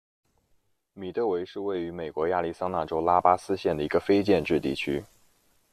米德韦是位于美国亚利桑那州拉巴斯县的一个非建制地区。